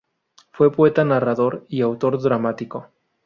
Fue poeta, narrador y autor dramático.